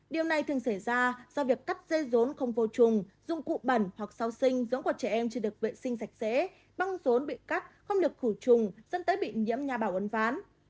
điều này thường xảy ra do việc cắt dây rốn không vô trùng dụng cụ bẩn hoặc sau sinh giống của trẻ em chưa được vệ sinh sạch sẽ băng rốn bị cắt không được khử trùng dẫn tới bị nhiễm nhà bảo uấn ván